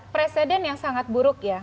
presiden yang sangat buruk ya